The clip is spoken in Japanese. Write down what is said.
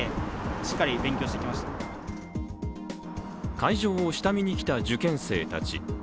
会場を下見に来た受験生たち。